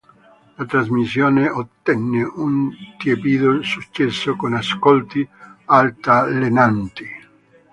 La trasmissione ottenne un tiepido successo, con ascolti altalenanti.